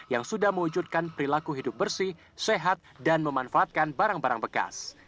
yang sudah mewujudkan perilaku hidup bersih sehat dan memanfaatkan barang barang bekas